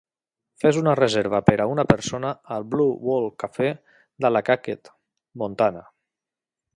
Fes una reserva per a una persona al Blue Wall Cafe d'Allakaket, Montana